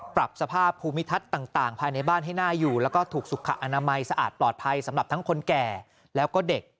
ปรับสภาพภูมิทัศน์ต่างภายในบ้านให้น่าอยู่แล้วก็ถูกสุขอนามัยสะอาดปลอดภัยสำหรับทั้งคนแก่แล้วก็เด็ก